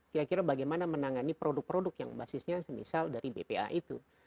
kira kira bagaimana menangani produk produk yang basisnya misal dari bpa itu